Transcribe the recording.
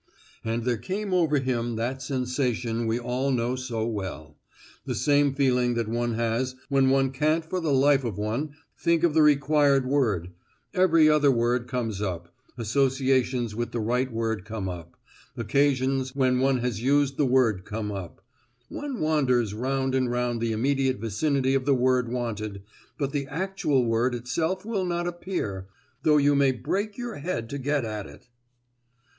And there came over him that sensation we all know so well—the same feeling that one has when one can't for the life of one think of the required word; every other word comes up; associations with the right word come up; occasions when one has used the word come up; one wanders round and round the immediate vicinity of the word wanted, but the actual word itself will not appear, though you may break your head to get at it!